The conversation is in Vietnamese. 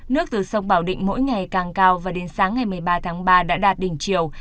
nước từ sông bảo định mỗi ngày càng cao và đến sáng ngày một mươi ba tháng ba đã đạt đỉnh chiều